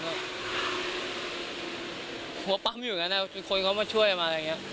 ผมว่าปั๊มอยู่อยู่นั่นแหละคนเขามาช่วยมาอะไรอย่างนี้